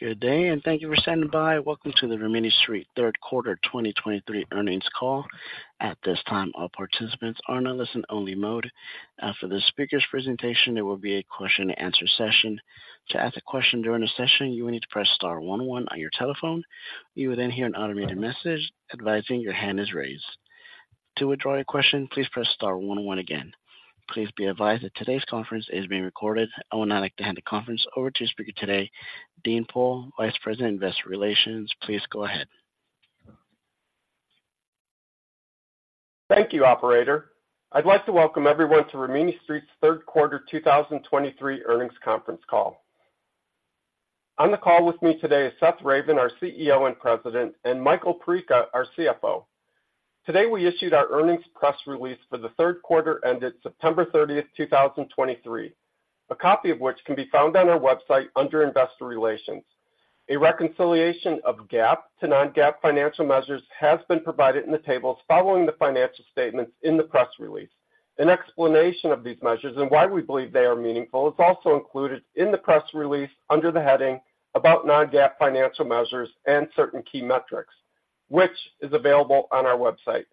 Good day, and thank you for standing by. Welcome to the Rimini Street Third Quarter 2023 earnings call. At this time, all participants are in a listen-only mode. After the speaker's presentation, there will be a question-and-answer session. To ask a question during the session, you will need to press star one one on your telephone. You will then hear an automated message advising your hand is raised. To withdraw your question, please press star one one again. Please be advised that today's conference is being recorded. I would now like to hand the conference over to your speaker today, Dean Pohl, Vice President, Investor Relations. Please go ahead. Thank you, operator. I'd like to welcome everyone to Rimini Street's third quarter 2023 earnings conference call. On the call with me today is Seth Ravin, our CEO and President, and Michael Perica, our CFO. Today, we issued our earnings press release for the third quarter ended September 30th, 2023, a copy of which can be found on our website under Investor Relations. A reconciliation of GAAP to non-GAAP financial measures has been provided in the tables following the financial statements in the press release. An explanation of these measures and why we believe they are meaningful is also included in the press release under the heading about Non-GAAP Financial Measures and Certain Key Metrics, which is available on our website.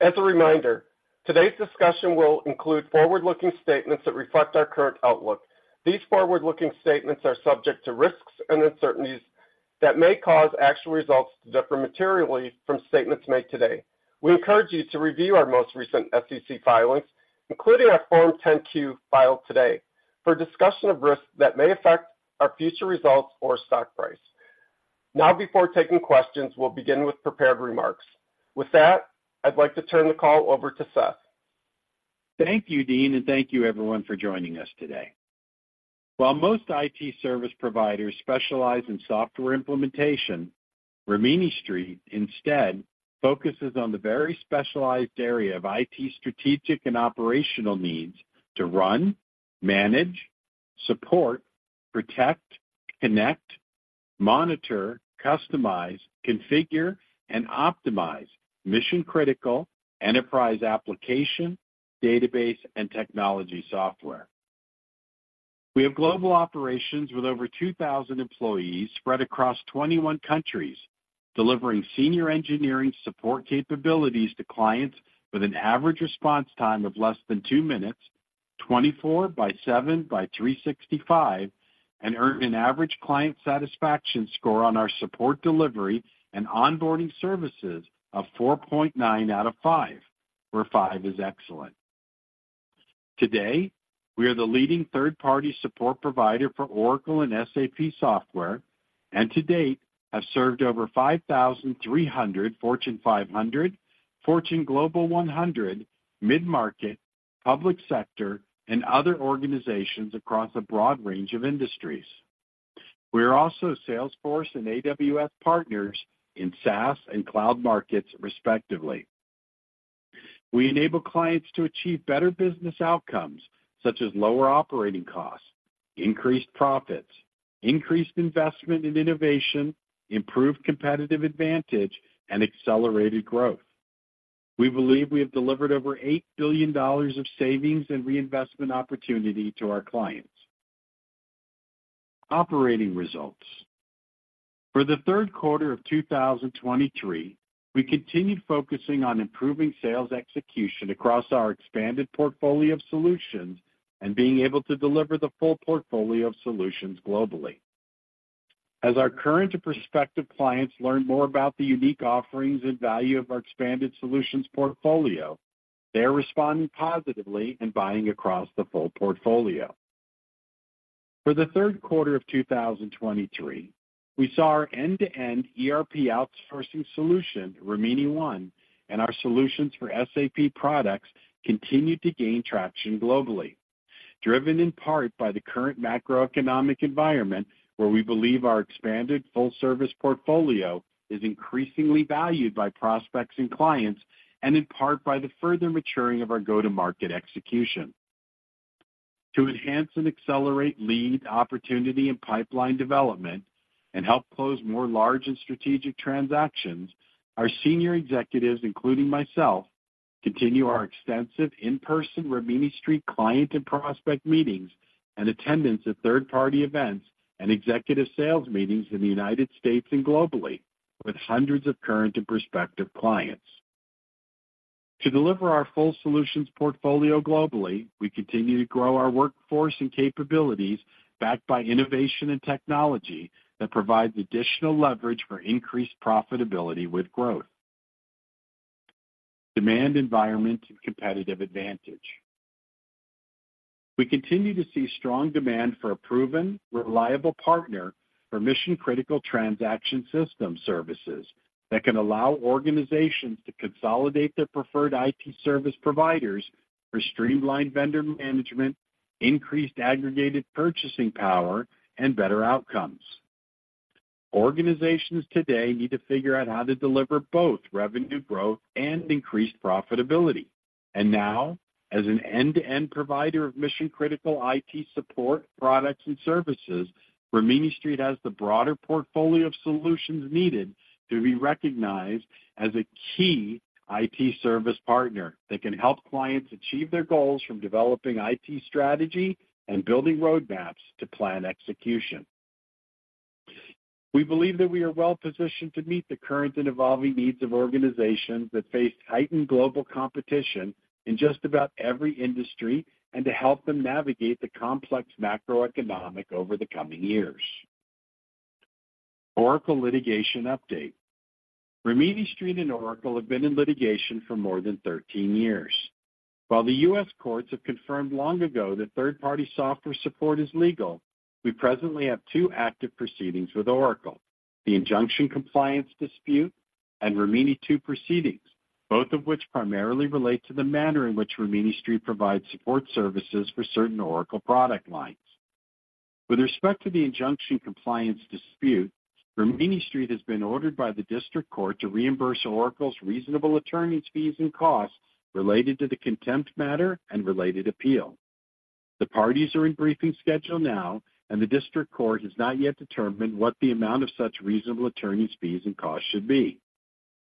As a reminder, today's discussion will include forward-looking statements that reflect our current outlook. These forward-looking statements are subject to risks and uncertainties that may cause actual results to differ materially from statements made today. We encourage you to review our most recent SEC filings, including our Form 10-Q filed today, for a discussion of risks that may affect our future results or stock price. Now, before taking questions, we'll begin with prepared remarks. With that, I'd like to turn the call over to Seth. Thank you, Dean, and thank you, everyone, for joining us today. While most IT service providers specialize in software implementation, Rimini Street instead focuses on the very specialized area of IT strategic and operational needs to run, manage, support, protect, connect, monitor, customize, configure, and optimize mission-critical enterprise application, database, and technology software. We have global operations with over 2,000 employees spread across 21 countries, delivering senior engineering support capabilities to clients with an average response time of less than two minutes, 24 by seven by 365, and earn an average client satisfaction score on our support delivery and onboarding services of 4.9 out of five, where five is excellent. Today, we are the leading third-party support provider for Oracle and SAP software, and to date, have served over 5,300 Fortune 500, Fortune Global 100, mid-market, public sector, and other organizations across a broad range of industries. We are also Salesforce and AWS partners in SaaS and cloud markets, respectively. We enable clients to achieve better business outcomes, such as lower operating costs, increased profits, increased investment in innovation, improved competitive advantage, and accelerated growth. We believe we have delivered over $8 billion of savings and reinvestment opportunity to our clients. Operating results. For the third quarter of 2023, we continued focusing on improving sales execution across our expanded portfolio of solutions and being able to deliver the full portfolio of solutions globally. As our current and prospective clients learn more about the unique offerings and value of our expanded solutions portfolio, they are responding positively and buying across the full portfolio. For the third quarter of 2023, we saw our end-to-end ERP outsourcing solution, Rimini ONE, and our solutions for SAP products continue to gain traction globally, driven in part by the current macroeconomic environment, where we believe our expanded full service portfolio is increasingly valued by prospects and clients, and in part by the further maturing of our go-to-market execution. To enhance and accelerate lead, opportunity, and pipeline development and help close more large and strategic transactions, our senior executives, including myself, continue our extensive in-person Rimini Street client and prospect meetings and attendance at third-party events and executive sales meetings in the United States and globally, with hundreds of current and prospective clients. To deliver our full solutions portfolio globally, we continue to grow our workforce and capabilities, backed by innovation and technology that provides additional leverage for increased profitability with growth. Demand environment and competitive advantage. We continue to see strong demand for a proven, reliable partner for mission-critical transaction system services that can allow organizations to consolidate their preferred IT service providers for streamlined vendor management, increased aggregated purchasing power, and better outcomes. Organizations today need to figure out how to deliver both revenue growth and increased profitability. And now, as an end-to-end provider of mission-critical IT support, products, and services, Rimini Street has the broader portfolio of solutions needed to be recognized as a key IT service partner that can help clients achieve their goals, from developing IT strategy and building roadmaps to plan execution.... We believe that we are well positioned to meet the current and evolving needs of organizations that face heightened global competition in just about every industry, and to help them navigate the complex macroeconomic over the coming years. Oracle litigation update. Rimini Street and Oracle have been in litigation for more than 13 years. While the U.S. courts have confirmed long ago that third-party software support is legal, we presently have two active proceedings with Oracle: the injunction compliance dispute and Rimini II proceedings, both of which primarily relate to the manner in which Rimini Street provides support services for certain Oracle product lines. With respect to the injunction compliance dispute, Rimini Street has been ordered by the district court to reimburse Oracle's reasonable attorneys' fees and costs related to the contempt matter and related appeal. The parties are in briefing schedule now, and the district court has not yet determined what the amount of such reasonable attorneys' fees and costs should be.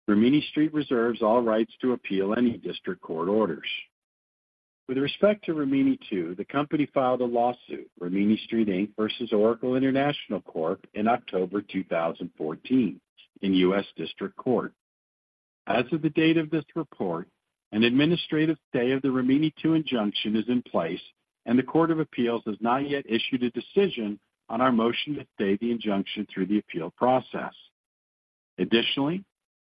Rimini Street reserves all rights to appeal any district court orders. With respect to Rimini II, the company filed a lawsuit, Rimini Street Inc. versus Oracle International Corp., in October 2014 in U.S. District Court. As of the date of this report, an administrative stay of the Rimini II injunction is in place, and the Court of Appeals has not yet issued a decision on our motion to stay the injunction through the appeal process. Additionally,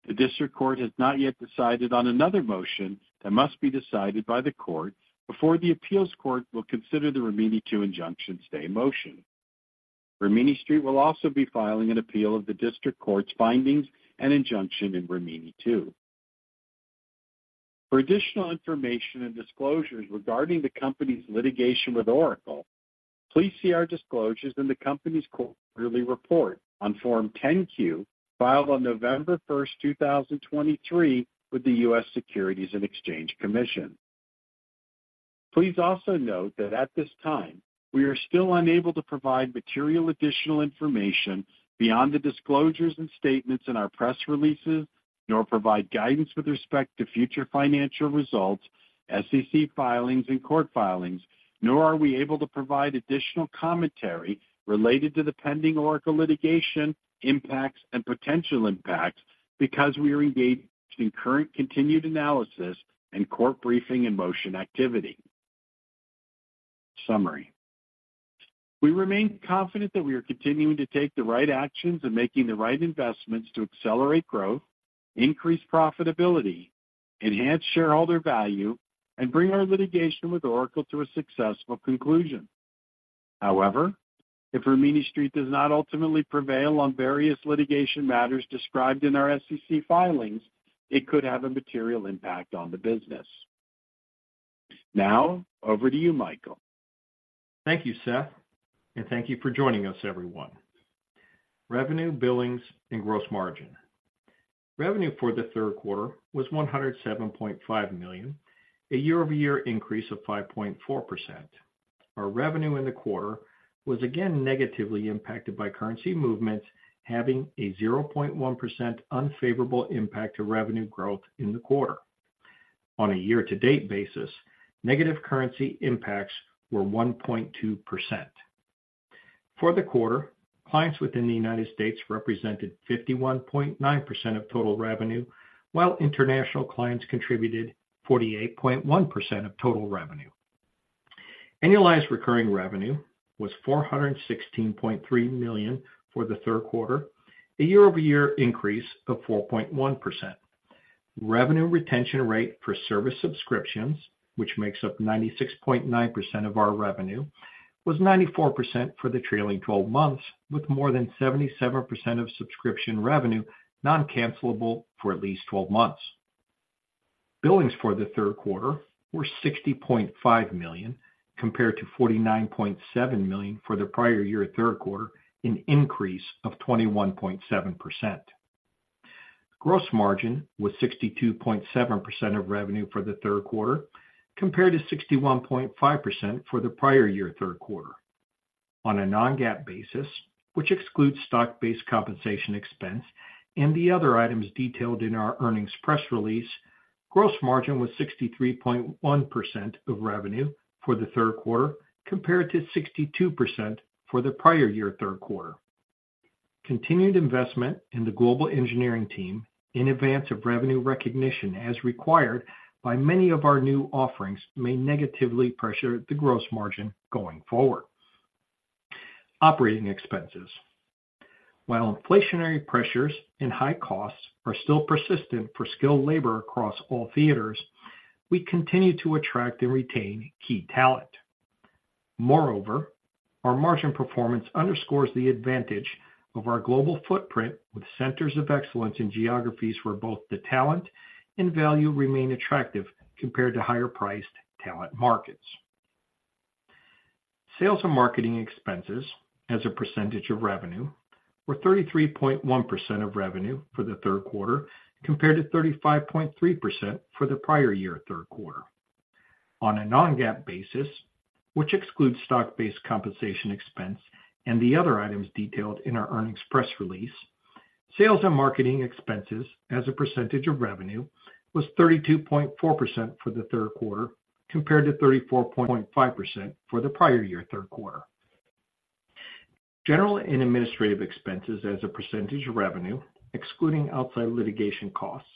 the district court has not yet decided on another motion that must be decided by the court before the appeals court will consider the Rimini II injunction stay in motion. Rimini Street will also be filing an appeal of the district court's findings and injunction in Rimini II. For additional information and disclosures regarding the company's litigation with Oracle, please see our disclosures in the company's quarterly report on Form 10-Q, filed on November 1st, 2023, with the U.S. Securities and Exchange Commission. Please also note that at this time, we are still unable to provide material additional information beyond the disclosures and statements in our press releases, nor provide guidance with respect to future financial results, SEC filings, and court filings, nor are we able to provide additional commentary related to the pending Oracle litigation impacts and potential impacts because we are engaged in current continued analysis and court briefing and motion activity. Summary. We remain confident that we are continuing to take the right actions and making the right investments to accelerate growth, increase profitability, enhance shareholder value, and bring our litigation with Oracle to a successful conclusion. However, if Rimini Street does not ultimately prevail on various litigation matters described in our SEC filings, it could have a material impact on the business. Now, over to you, Michael. Thank you, Seth, and thank you for joining us, everyone. Revenue, billings, and gross margin. Revenue for the third quarter was $107.5 million, a year-over-year increase of 5.4%. Our revenue in the quarter was again negatively impacted by currency movements, having a 0.1% unfavorable impact to revenue growth in the quarter. On a year-to-date basis, negative currency impacts were 1.2%. For the quarter, clients within the United States represented 51.9% of total revenue, while international clients contributed 48.1% of total revenue. Annualized recurring revenue was $416.3 million for the third quarter, a year-over-year increase of 4.1%. Revenue retention rate for service subscriptions, which makes up 96.9% of our revenue, was 94% for the trailing twelve months, with more than 77% of subscription revenue non-cancellable for at least twelve months. Billings for the third quarter were $60.5 million, compared to $49.7 million for the prior year third quarter, an increase of 21.7%. Gross margin was 62.7% of revenue for the third quarter, compared to 61.5% for the prior year third quarter. On a non-GAAP basis, which excludes stock-based compensation expense and the other items detailed in our earnings press release, gross margin was 63.1% of revenue for the third quarter, compared to 62% for the prior year third quarter. Continued investment in the global engineering team in advance of revenue recognition, as required by many of our new offerings, may negatively pressure the gross margin going forward. Operating expenses. While inflationary pressures and high costs are still persistent for skilled labor across all theaters, we continue to attract and retain key talent. Moreover, our margin performance underscores the advantage of our global footprint with centers of excellence in geographies where both the talent and value remain attractive compared to higher-priced talent markets. Sales and marketing expenses as a percentage of revenue were 33.1% of revenue for the third quarter, compared to 35.3% for the prior year third quarter. On a non-GAAP basis, which excludes stock-based compensation expense and the other items detailed in our earnings press release-... Sales and marketing expenses as a percentage of revenue was 32.4% for the third quarter, compared to 34.5% for the prior year third quarter. General and administrative expenses as a percentage of revenue, excluding outside litigation costs,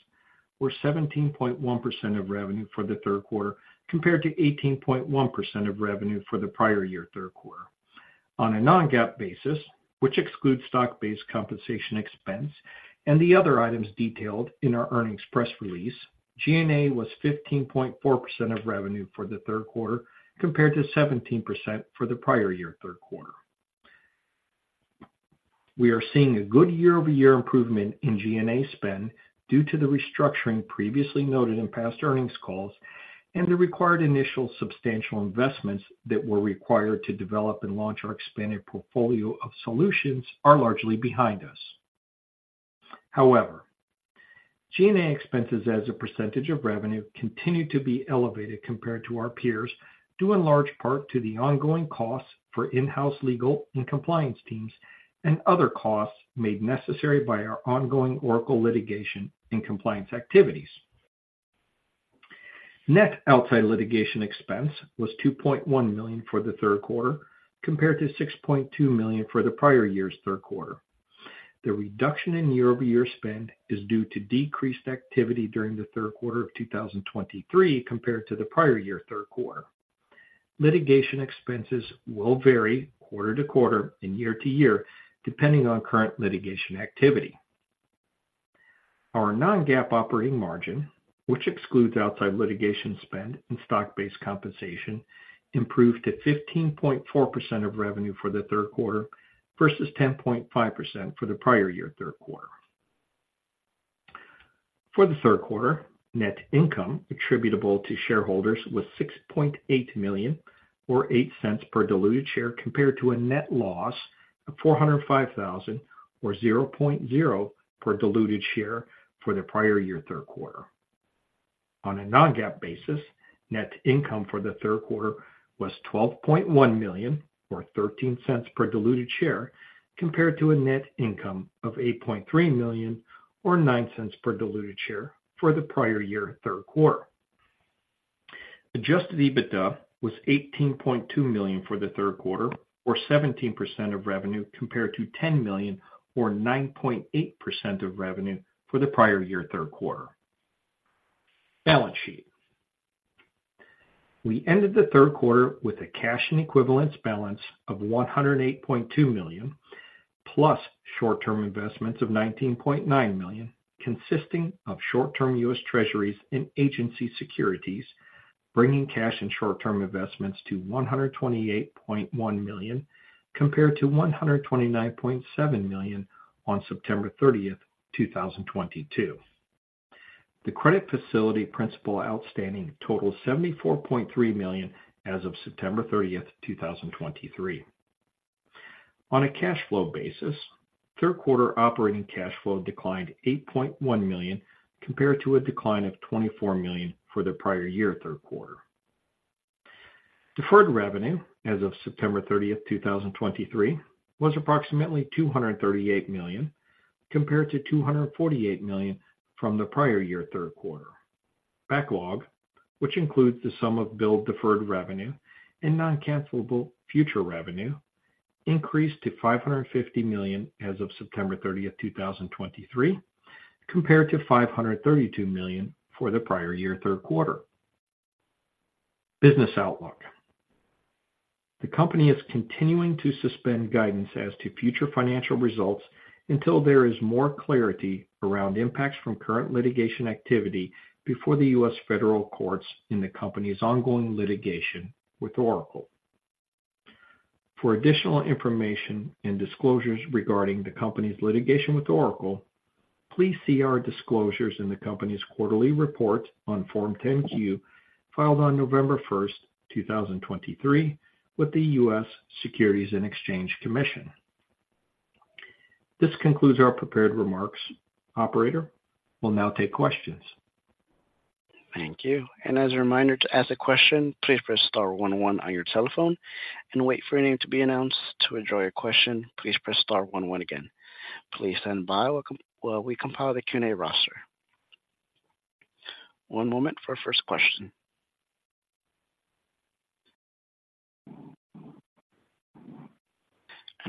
were 17.1% of revenue for the third quarter, compared to 18.1% of revenue for the prior year third quarter. On a non-GAAP basis, which excludes stock-based compensation expense and the other items detailed in our earnings press release, G&A was 15.4% of revenue for the third quarter, compared to 17% for the prior year third quarter. We are seeing a good year-over-year improvement in G&A spend due to the restructuring previously noted in past earnings calls, and the required initial substantial investments that were required to develop and launch our expanded portfolio of solutions are largely behind us. However, G&A expenses as a percentage of revenue continue to be elevated compared to our peers, due in large part to the ongoing costs for in-house legal and compliance teams and other costs made necessary by our ongoing Oracle litigation and compliance activities. Net outside litigation expense was $2.1 million for the third quarter, compared to $6.2 million for the prior year's third quarter. The reduction in year-over-year spend is due to decreased activity during the third quarter of 2023 compared to the prior year third quarter. Litigation expenses will vary quarter to quarter and year to year, depending on current litigation activity. Our non-GAAP operating margin, which excludes outside litigation spend and stock-based compensation, improved to 15.4% of revenue for the third quarter versus 10.5% for the prior year third quarter. For the third quarter, net income attributable to shareholders was $6.8 million, or $0.08 per diluted share, compared to a net loss of $405,000, or $0.00 per diluted share for the prior year third quarter. On a non-GAAP basis, net income for the third quarter was $12.1 million, or $0.13 per diluted share, compared to a net income of $8.3 million, or $0.09 per diluted share, for the prior year third quarter. Adjusted EBITDA was $18.2 million for the third quarter, or 17% of revenue, compared to $10 million, or 9.8% of revenue for the prior year third quarter. Balance sheet. We ended the third quarter with a cash and equivalence balance of $108.2 million, plus short-term investments of $19.9 million, consisting of short-term U.S. Treasuries and agency securities, bringing cash and short-term investments to $128.1 million, compared to $129.7 million on September 30th, 2022. The credit facility principal outstanding totaled $74.3 million as of September 30th, 2023. On a cash flow basis, third quarter operating cash flow declined $8.1 million, compared to a decline of $24 million for the prior year third quarter. Deferred revenue as of September 30th, 2023, was approximately $238 million, compared to $248 million from the prior year third quarter. Backlog, which includes the sum of billed deferred revenue and non-cancellable future revenue, increased to $550 million as of September 30th, 2023, compared to $532 million for the prior year third quarter. Business outlook. The company is continuing to suspend guidance as to future financial results until there is more clarity around impacts from current litigation activity before the U.S. federal courts in the company's ongoing litigation with Oracle. For additional information and disclosures regarding the company's litigation with Oracle, please see our disclosures in the company's quarterly report on Form 10-Q, filed on November 1st, 2023, with the U.S. Securities and Exchange Commission. This concludes our prepared remarks. Operator, we'll now take questions. Thank you. As a reminder, to ask a question, please press star one one on your telephone and wait for your name to be announced. To withdraw your question, please press star one one again. Please stand by while we compile the Q&A roster. One moment for our first question.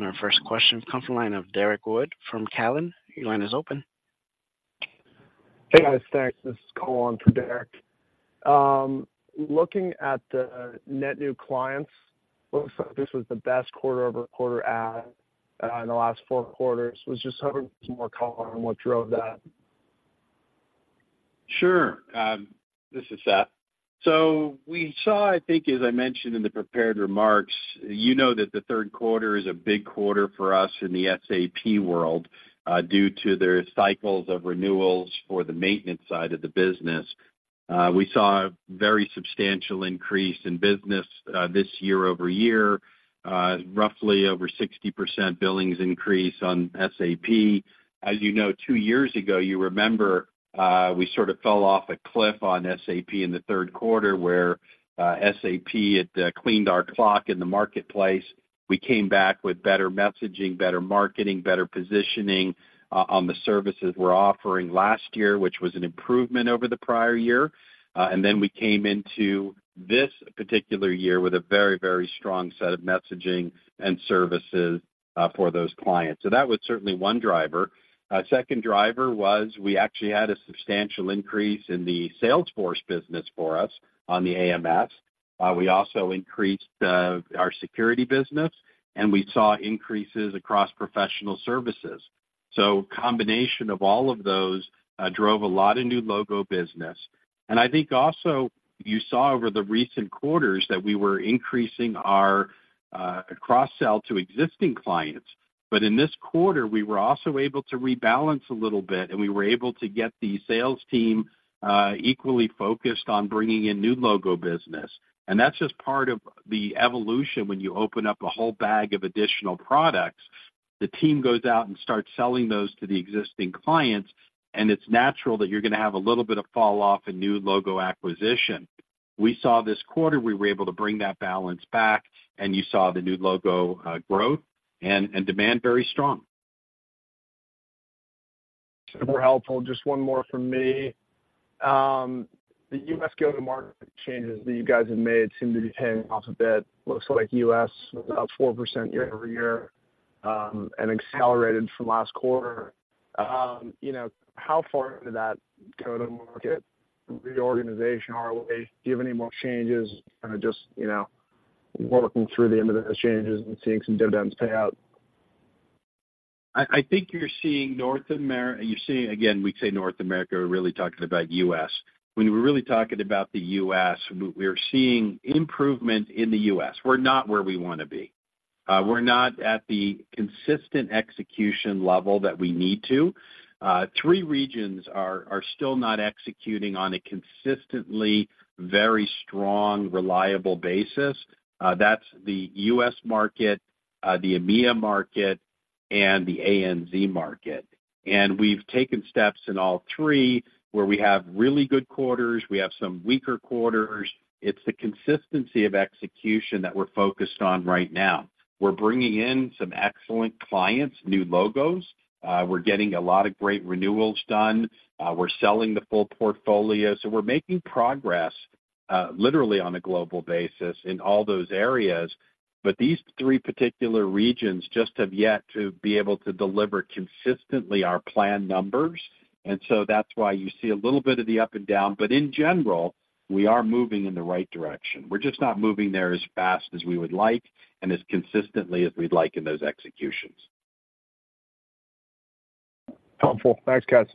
Our first question comes from the line of Derek Wood from Cowen. Your line is open. Hey, guys. Thanks. This is Colin for Derek. Looking at the net new clients, looks like this was the best quarter-over-quarter add in the last four quarters. Was just hoping for some more color on what drove that. Sure. This is Seth. So we saw, I think, as I mentioned in the prepared remarks, you know that the third quarter is a big quarter for us in the SAP world, due to their cycles of renewals for the maintenance side of the business. We saw a very substantial increase in business, this year-over-year. Roughly over 60% billings increase on SAP. As you know, two years ago, you remember, we sort of fell off a cliff on SAP in the third quarter, where, SAP had, cleaned our clock in the marketplace. We came back with better messaging, better marketing, better positioning, on the services we're offering last year, which was an improvement over the prior year. And then we came into this particular year with a very, very strong set of messaging and services for those clients. So that was certainly one driver. Second driver was we actually had a substantial increase in the Salesforce business for us on the AMS. We also increased our security business, and we saw increases across professional services. So combination of all of those drove a lot of new logo business. And I think also you saw over the recent quarters that we were increasing our cross-sell to existing clients. But in this quarter, we were also able to rebalance a little bit, and we were able to get the sales team equally focused on bringing in new logo business. That's just part of the evolution when you open up a whole bag of additional products, the team goes out and starts selling those to the existing clients, and it's natural that you're gonna have a little bit of falloff in new logo acquisition. We saw this quarter we were able to bring that balance back, and you saw the new logo growth and demand very strong. Super helpful. Just one more from me. The U.S. go-to-market changes that you guys have made seem to be paying off a bit. Looks like U.S. was up 4% year-over-year, and accelerated from last quarter. You know, how far into that go-to-market reorganization are we? Do you have any more changes, kind of just, you know, working through the end of those changes and seeing some dividends pay out? I think you're seeing North America you're seeing, again, we say North America, we're really talking about U.S. When we're really talking about the U.S., we're seeing improvement in the U.S. We're not where we wanna be. We're not at the consistent execution level that we need to. Three regions are still not executing on a consistently very strong, reliable basis. That's the U.S. market, the EMEA market, and the ANZ market. And we've taken steps in all three, where we have really good quarters, we have some weaker quarters. It's the consistency of execution that we're focused on right now. We're bringing in some excellent clients, new logos. We're getting a lot of great renewals done. We're selling the full portfolio. So we're making progress, literally on a global basis in all those areas. These three particular regions just have yet to be able to deliver consistently our planned numbers. So that's why you see a little bit of the up and down. In general, we are moving in the right direction. We're just not moving there as fast as we would like and as consistently as we'd like in those executions. Helpful. Thanks, guys.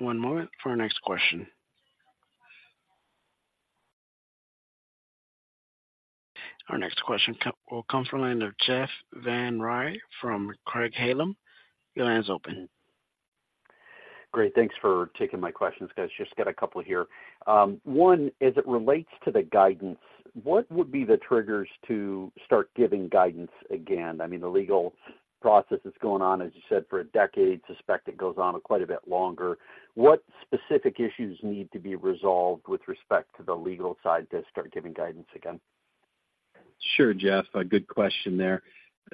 One moment for our next question. Our next question will come from the line of Jeff Van Rhee from Craig-Hallum. Your line is open. Great. Thanks for taking my questions, guys. Just got a couple here. One, as it relates to the guidance, what would be the triggers to start giving guidance again? I mean, the legal process that's going on, as you said, for a decade, suspect it goes on quite a bit longer. What specific issues need to be resolved with respect to the legal side to start giving guidance again? Sure, Jeff, a good question there.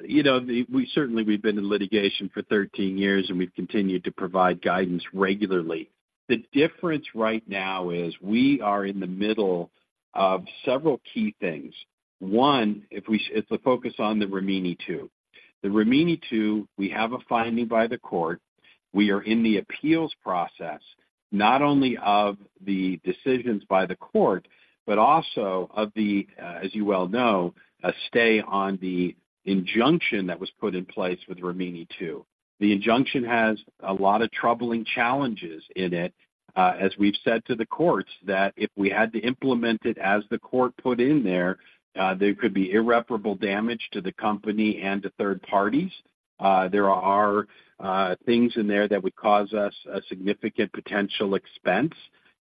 You know, we certainly, we've been in litigation for 13 years, and we've continued to provide guidance regularly. The difference right now is we are in the middle of several key things. One, if we, it's a focus on the Rimini II. The Rimini II, we have a finding by the court. We are in the appeals process, not only of the decisions by the court, but also of the, as you well know, a stay on the injunction that was put in place with Rimini II. The injunction has a lot of troubling challenges in it, as we've said to the courts, that if we had to implement it as the court put in there, there could be irreparable damage to the company and to third parties. There are things in there that would cause us a significant potential expense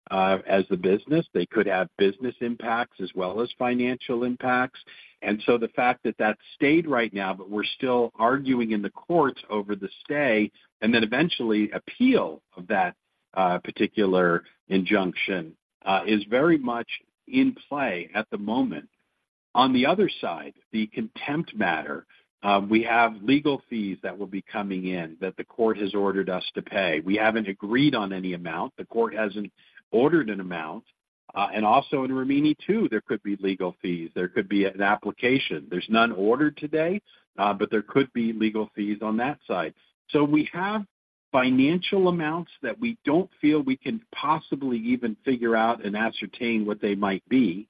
as the business. They could have business impacts as well as financial impacts. And so the fact that that's stayed right now, but we're still arguing in the courts over the stay, and then eventually appeal of that particular injunction is very much in play at the moment. On the other side, the contempt matter, we have legal fees that will be coming in that the court has ordered us to pay. We haven't agreed on any amount. The court hasn't ordered an amount. And also in Rimini II, there could be legal fees. There could be an application. There's none ordered today, but there could be legal fees on that side. So we have financial amounts that we don't feel we can possibly even figure out and ascertain what they might be.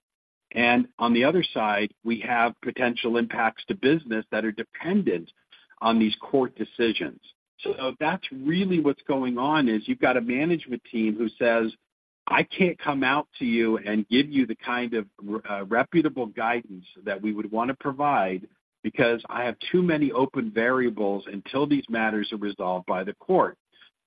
On the other side, we have potential impacts to business that are dependent on these court decisions. So that's really what's going on, is you've got a management team who says: I can't come out to you and give you the kind of reputable guidance that we would want to provide because I have too many open variables until these matters are resolved by the court.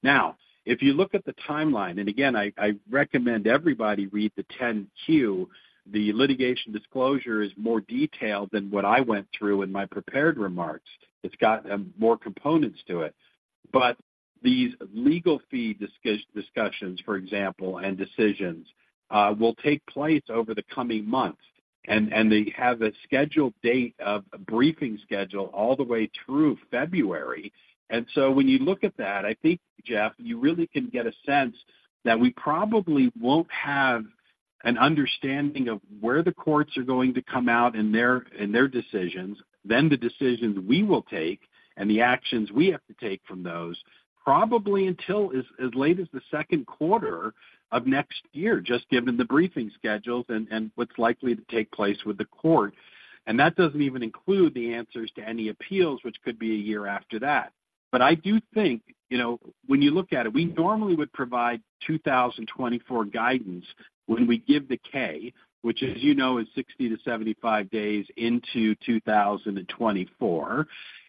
Now, if you look at the timeline, and again, I recommend everybody read the 10-Q, the litigation disclosure is more detailed than what I went through in my prepared remarks. It's got more components to it. But these legal fee discussions, for example, and decisions will take place over the coming months, and they have a scheduled date of a briefing schedule all the way through February. And so when you look at that, I think, Jeff, you really can get a sense that we probably won't have an understanding of where the courts are going to come out in their decisions, then the decisions we will take and the actions we have to take from those, probably until as late as the second quarter of next year, just given the briefing schedules and what's likely to take place with the court. And that doesn't even include the answers to any appeals, which could be a year after that. I do think, you know, when you look at it, we normally would provide 2024 guidance when we give the K, which, as you know, is 60 to 75 days into 2024.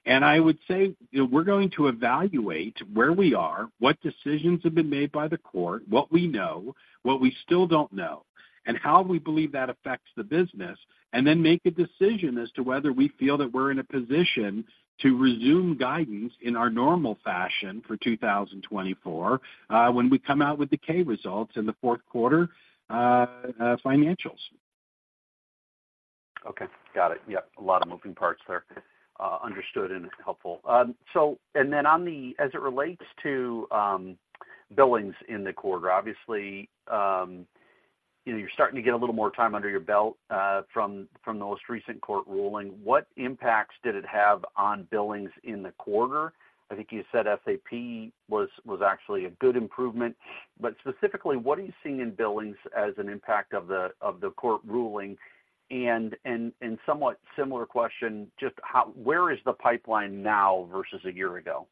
I would say, you know, we're going to evaluate where we are, what decisions have been made by the court, what we know, what we still don't know, and how we believe that affects the business, and then make a decision as to whether we feel that we're in a position to resume guidance in our normal fashion for 2024, when we come out with the K results in the fourth quarter financials. Okay, got it. Yep, a lot of moving parts there. Understood and helpful. So and then on the, as it relates to, billings in the quarter, obviously, you know, you're starting to get a little more time under your belt, from the most recent court ruling. What impacts did it have on billings in the quarter? I think you said SAP was actually a good improvement. But specifically, what are you seeing in billings as an impact of the court ruling? And somewhat similar question, just how, where is the pipeline now versus a year ago?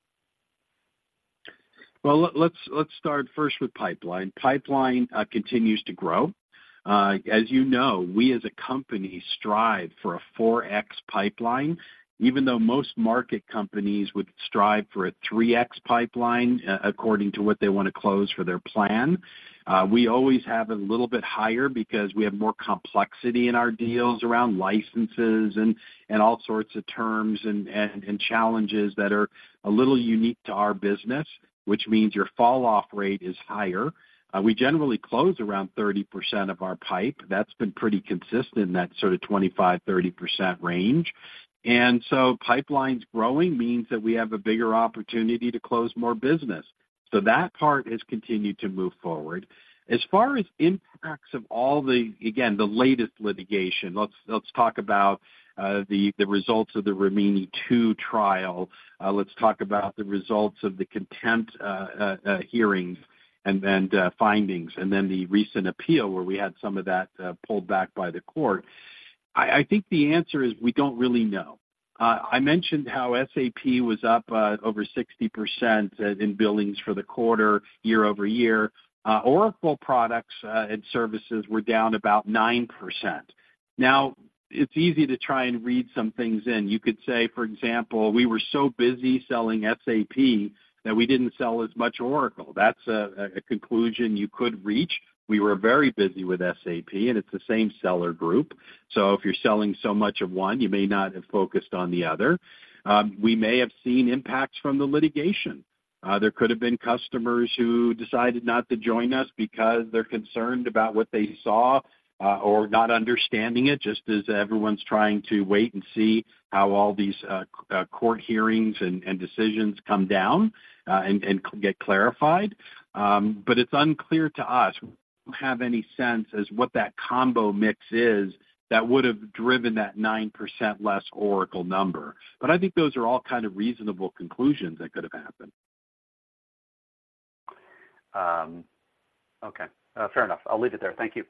Well, let's start first with pipeline. Pipeline continues to grow. As you know, we as a company strive for a 4x pipeline, even though most market companies would strive for a 3x pipeline, according to what they want to close for their plan. We always have a little bit higher because we have more complexity in our deals around licenses and all sorts of terms and challenges that are a little unique to our business, which means your falloff rate is higher. We generally close around 30% of our pipe. That's been pretty consistent in that sort of 25% to 30% range. And so pipeline's growing means that we have a bigger opportunity to close more business. So that part has continued to move forward. As far as impacts of all the, again, the latest litigation, let's talk about the results of the Rimini two trial. Let's talk about the results of the contempt hearings and findings, and then the recent appeal, where we had some of that pulled back by the court. I think the answer is we don't really know. I mentioned how SAP was up over 60% in billings for the quarter, year-over-year. Oracle products and services were down about 9%. Now, it's easy to try and read some things in. You could say, for example, we were so busy selling SAP that we didn't sell as much Oracle. That's a conclusion you could reach. We were very busy with SAP, and it's the same seller group, so if you're selling so much of one, you may not have focused on the other. We may have seen impacts from the litigation. There could have been customers who decided not to join us because they're concerned about what they saw, or not understanding it, just as everyone's trying to wait and see how all these court hearings and decisions come down, and get clarified. But it's unclear to us, we don't have any sense as what that combo mix is that would have driven that 9% less Oracle number. But I think those are all kind of reasonable conclusions that could have happened. Okay. Fair enough. I'll leave it there. Thank you.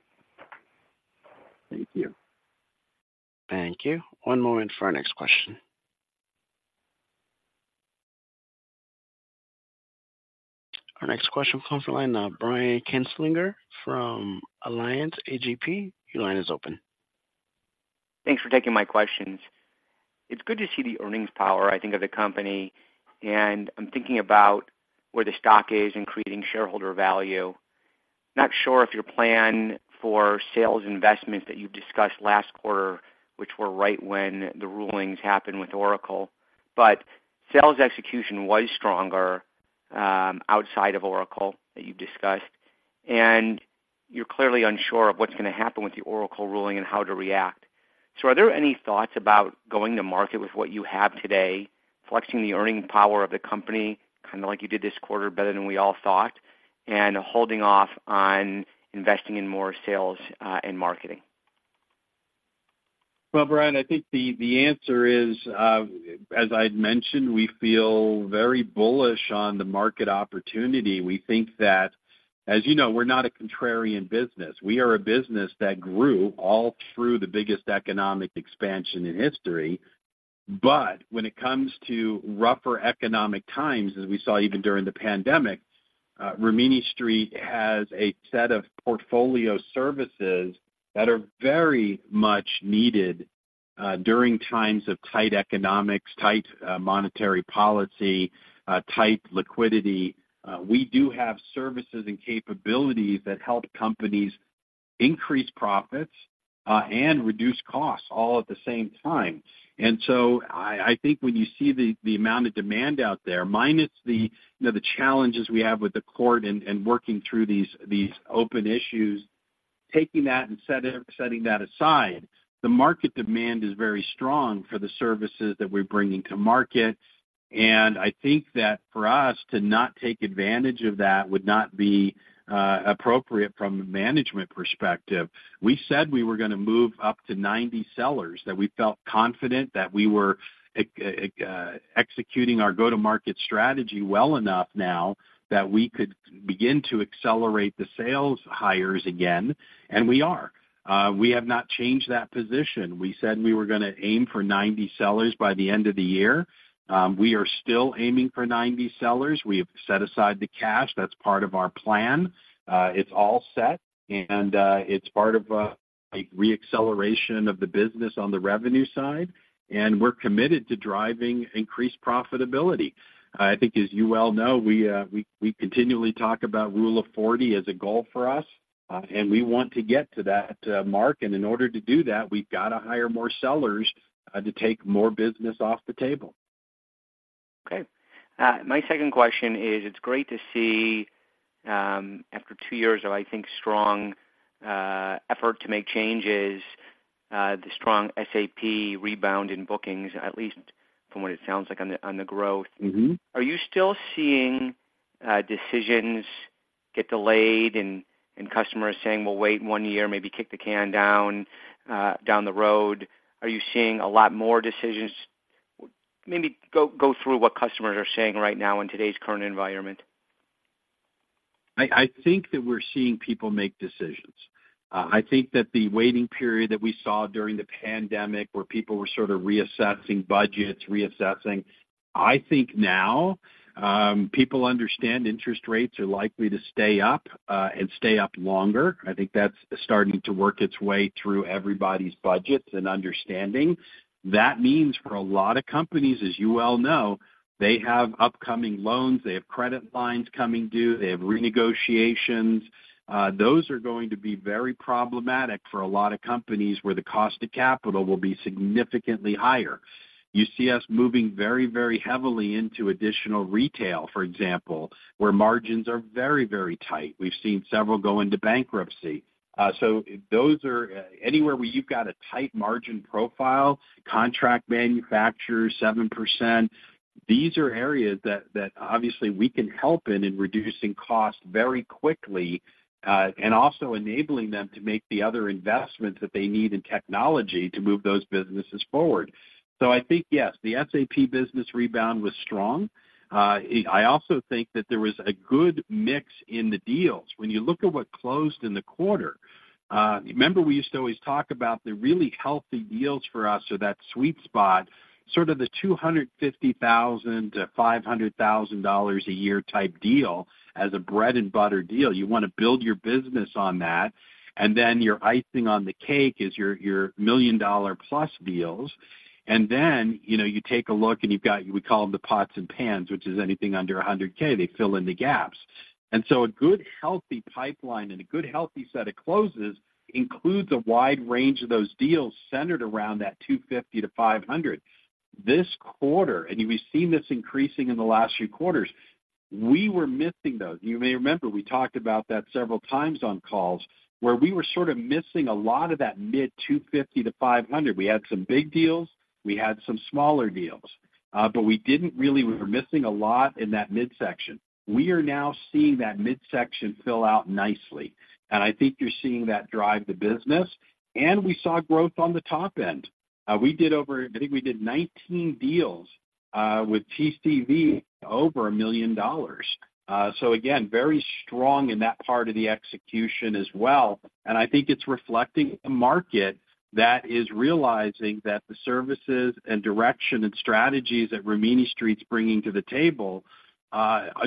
Thank you. Thank you. One moment for our next question. Our next question comes from the line, Brian Kinstlinger from Alliance A.G.P. Your line is open. Thanks for taking my questions. It's good to see the earnings power, I think, of the company, and I'm thinking about where the stock is in creating shareholder value. Not sure if your plan for sales investments that you discussed last quarter, which were right when the rulings happened with Oracle, but sales execution was stronger, outside of Oracle, that you've discussed, and you're clearly unsure of what's going to happen with the Oracle ruling and how to react. So are there any thoughts about going to market with what you have today, flexing the earning power of the company, kind of like you did this quarter, better than we all thought, and holding off on investing in more sales, and marketing? Well, Brian, I think the answer is, as I'd mentioned, we feel very bullish on the market opportunity. We think that, as you know, we're not a contrarian business. We are a business that grew all through the biggest economic expansion in history. But when it comes to rougher economic times, as we saw even during the pandemic, Rimini Street has a set of portfolio services that are very much needed during times of tight economics, tight monetary policy, tight liquidity. We do have services and capabilities that help companies increase profits, and reduce costs all at the same time. And so I think when you see the amount of demand out there, minus the, you know, the challenges we have with the court and working through these open issues, taking that and setting that aside, the market demand is very strong for the services that we're bringing to market. And I think that for us to not take advantage of that would not be appropriate from a management perspective. We said we were gonna move up to 90 sellers, that we felt confident that we were executing our go-to-market strategy well enough now that we could begin to accelerate the sales hires again, and we are. We have not changed that position. We said we were gonna aim for 90 sellers by the end of the year. We are still aiming for 90 sellers. We have set aside the cash. That's part of our plan. It's all set, and it's part of a reacceleration of the business on the revenue side, and we're committed to driving increased profitability. I think, as you well know, we continually talk about Rule of Forty as a goal for us, and we want to get to that mark. And in order to do that, we've got to hire more sellers to take more business off the table. Okay. My second question is: it's great to see, after two years of, I think, strong effort to make changes, the strong SAP rebound in bookings, at least from what it sounds like on the, on the growth. Mm-hmm. Are you still seeing decisions get delayed and customers saying, "We'll wait one year, maybe kick the can down, down the road"? Are you seeing a lot more decisions? Maybe go through what customers are saying right now in today's current environment. I think that we're seeing people make decisions. I think that the waiting period that we saw during the pandemic, where people were sort of reassessing budgets, reassessing, I think now people understand interest rates are likely to stay up and stay up longer. I think that's starting to work its way through everybody's budgets and understanding. That means for a lot of companies, as you well know, they have upcoming loans, they have credit lines coming due, they have renegotiations. Those are going to be very problematic for a lot of companies where the cost of capital will be significantly higher. You see us moving very, very heavily into additional retail, for example, where margins are very, very tight. We've seen several go into bankruptcy. So those are... Anywhere where you've got a tight margin profile, contract manufacturers, 7%, these are areas that obviously we can help in reducing costs very quickly, and also enabling them to make the other investments that they need in technology to move those businesses forward. So I think, yes, the SAP business rebound was strong. I also think that there was a good mix in the deals. When you look at what closed in the quarter, remember we used to always talk about the really healthy deals for us or that sweet spot, sort of the $250,000 to $500,000 a year type deal as a bread-and-butter deal. You want to build your business on that, and then your icing on the cake is your million-dollar-plus deals. Then, you know, you take a look, and you've got, we call them the pots and pans, which is anything under $100,000. They fill in the gaps. So a good, healthy pipeline and a good, healthy set of closes includes a wide range of those deals centered around that $250, 000 to $500,000. This quarter, and we've seen this increasing in the last few quarters, we were missing those. You may remember we talked about that several times on calls where we were sort of missing a lot of that mid $250,000 to $500,000. We had some big deals, we had some smaller deals, but we didn't really we were missing a lot in that midsection. We are now seeing that midsection fill out nicely, and I think you're seeing that drive the business. And we saw growth on the top end. We did over, I think we did 19 deals with TCV over $1 million. So again, very strong in that part of the execution as well. And I think it's reflecting a market that is realizing that the services and direction and strategies that Rimini Street's bringing to the table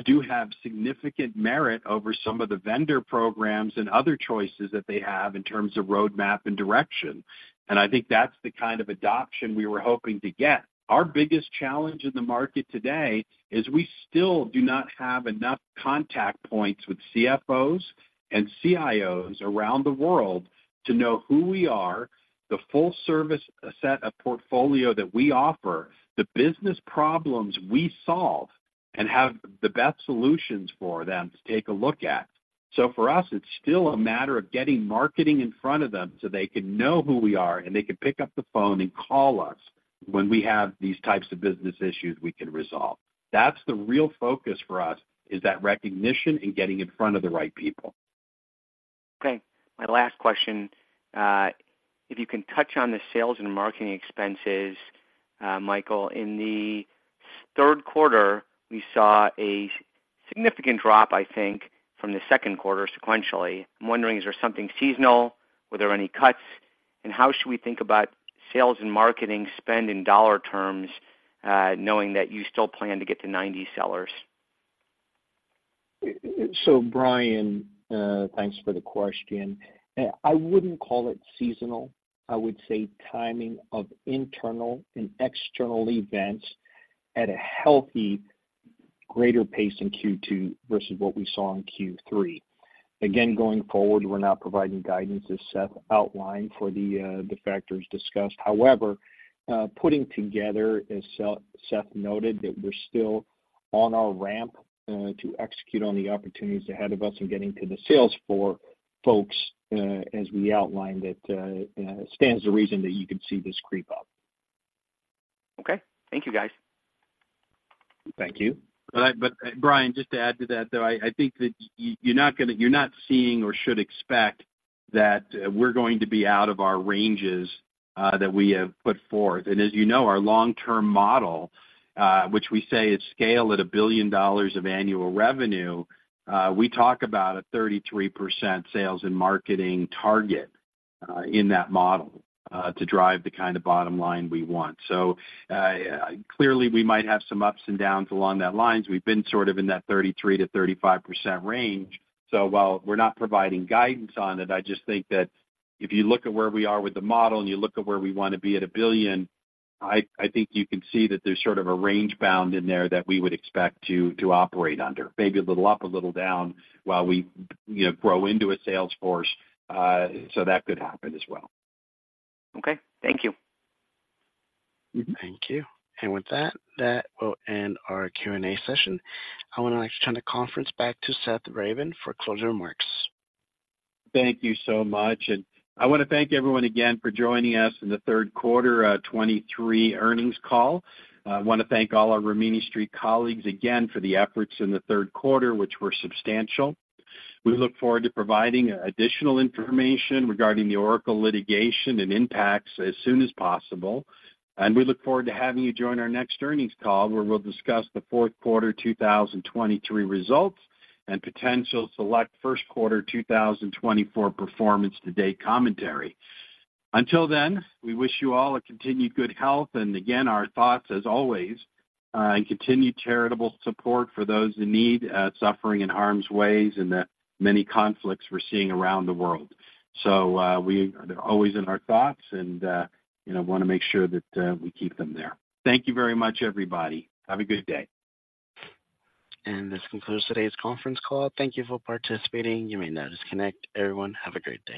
do have significant merit over some of the vendor programs and other choices that they have in terms of roadmap and direction. And I think that's the kind of adoption we were hoping to get. Our biggest challenge in the market today is we still do not have enough contact points with CFOs and CIOs around the world to know who we are, the full service set of portfolio that we offer, the business problems we solve and have the best solutions for them to take a look at. For us, it's still a matter of getting marketing in front of them so they can know who we are, and they can pick up the phone and call us when we have these types of business issues we can resolve. That's the real focus for us, is that recognition and getting in front of the right people. Okay. My last question, if you can touch on the sales and marketing expenses, Michael, in the third quarter, we saw a significant drop, I think, from the second quarter sequentially. I'm wondering, is there something seasonal? Were there any cuts? And how should we think about sales and marketing spend in dollar terms, knowing that you still plan to get to 90 sellers? So Brian, thanks for the question. I wouldn't call it seasonal. I would say timing of internal and external events at a healthy, greater pace in Q2 versus what we saw in Q3. Again, going forward, we're not providing guidance, as Seth outlined, for the factors discussed. However, putting together, as Seth noted, that we're still on our ramp to execute on the opportunities ahead of us and getting to the sales floor, folks, as we outlined it, stands to reason that you could see this creep up. Okay. Thank you, guys. Thank you. But Brian, just to add to that, though, I think that you're not gonna. You're not seeing or should expect that, we're going to be out of our ranges, that we have put forth. And as you know, our long-term model, which we say is scale at $1 billion of annual revenue, we talk about a 33% sales and marketing target, in that model, to drive the kind of bottom line we want. So, clearly, we might have some ups and downs along that lines. We've been sort of in that 33% to 35% range. So while we're not providing guidance on it, I just think that if you look at where we are with the model, and you look at where we wanna be at $1 billion, I, I think you can see that there's sort of a range bound in there that we would expect to, to operate under. Maybe a little up, a little down, while we, you know, grow into a sales force. So that could happen as well. Okay, thank you. Thank you. With that, that will end our Q&A session. I would like to turn the conference back to Seth Ravin for closing remarks. Thank you so much, and I wanna thank everyone again for joining us in the third quarter 2023 earnings call. I wanna thank all our Rimini Street colleagues again for the efforts in the third quarter, which were substantial. We look forward to providing additional information regarding the Oracle litigation and impacts as soon as possible. We look forward to having you join our next earnings call, where we'll discuss the fourth quarter 2023 results and potential select first quarter 2024 performance to date commentary. Until then, we wish you all a continued good health, and again, our thoughts, as always, and continued charitable support for those in need, suffering in harm's ways and the many conflicts we're seeing around the world. So, they're always in our thoughts, and, you know, wanna make sure that we keep them there. Thank you very much, everybody. Have a good day. This concludes today's conference call. Thank you for participating. You may now disconnect. Everyone, have a great day.